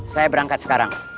saya berangkat sekarang